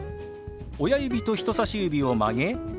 親指と人さし指を曲げ